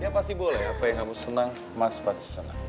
ya pasti boleh apa yang harus senang mas pasti senang